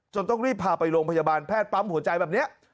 ต้องรีบพาไปโรงพยาบาลแพทย์ปั๊มหัวใจแบบนี้